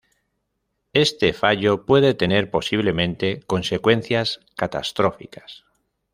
Este fallo puede tener posiblemente consecuencias catastróficas.